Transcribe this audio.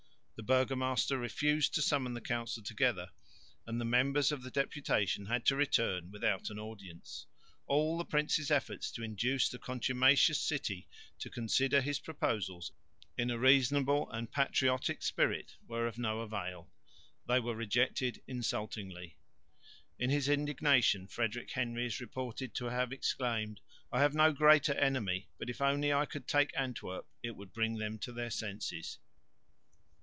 The burgomaster refused to summon the council together, and the members of the deputation had to return without an audience. All the prince's efforts to induce the contumacious city to consider his proposals in a reasonable and patriotic spirit were of no avail; they were rejected insultingly. In his indignation Frederick Henry is reported to have exclaimed, "I have no greater enemy, but if only I could take Antwerp, it would bring them to their senses."